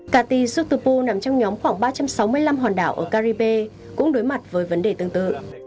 kati sutupu nằm trong nhóm khoảng ba trăm sáu mươi năm hòn đảo ở caribe cũng đối mặt với vấn đề tương tự